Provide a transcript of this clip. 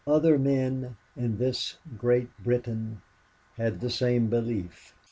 Other men in this Great Britain had the same belief.